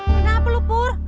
eh kenapa lu pur